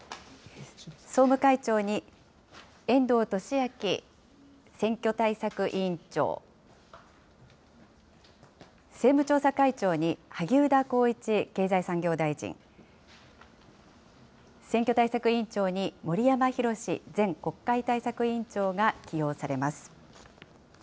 総務会長に遠藤利明選挙対策委員長、政務調査会長に萩生田光一経済産業大臣、選挙対策委員長に森山裕前国会対策委員長が起用されます。